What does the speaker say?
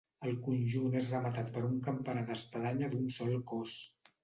El conjunt és rematat per un campanar d'espadanya d'un sol cos.